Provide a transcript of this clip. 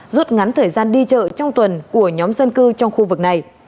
rút ngắn thời gian đi chợ trong tuần của nhóm dân cư trong khu vực này